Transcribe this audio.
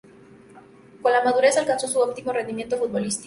Con la madurez alcanzó su óptimo rendimiento futbolístico.